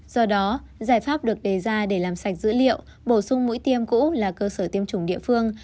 do đó giải pháp được đề ra để làm sạch dữ liệu bổ sung mũi tiêm cũ là cơ sở tiêm chủng địa phương